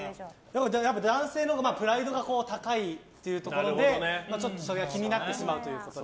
男性のほうがプライドが高いということでちょっとそれが気になってしまうということで。